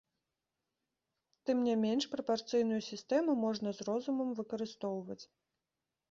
Тым не менш прапарцыйную сістэму можна з розумам выкарыстоўваць.